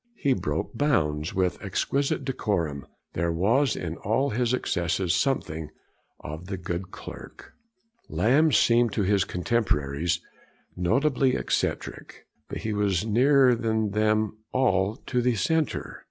He broke bounds with exquisite decorum. There was in all his excesses something of 'the good clerk.' Lamb seemed to his contemporaries notably eccentric, but he was nearer than them all to the centre.